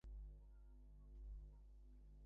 বিনয় নাবালক নয় এবং গোরাও নাবলকের অছি নহে।